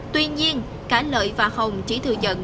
tuy nhiên cả lợi và hồng chỉ thừa nhận